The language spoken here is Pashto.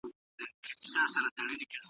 دیني حقونه د انسان فطري اړتیا ده.